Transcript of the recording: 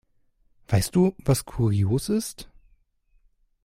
Weißt du, was kurios ist?